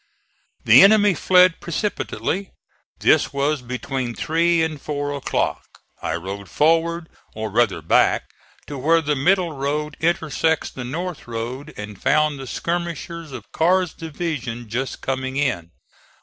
The enemy fled precipitately. This was between three and four o'clock. I rode forward, or rather back, to where the middle road intersects the north road, and found the skirmishers of Carr's division just coming in.